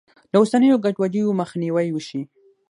له اوسنیو ګډوډیو مخنیوی وشي.